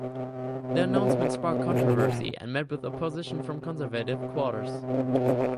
The announcement sparked controversy and met with opposition from conservative quarters.